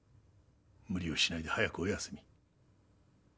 無理をしないで早くおやすみ。